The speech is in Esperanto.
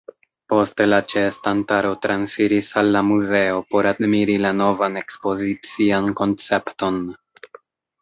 Poste la ĉeestantaro transiris al la muzeo por admiri la novan ekspozician koncepton.